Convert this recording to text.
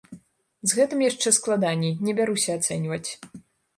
З гэтым яшчэ складаней, не бяруся ацэньваць.